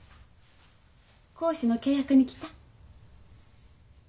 講師の契約に来た？